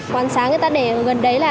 quan sát người ta để gần đấy là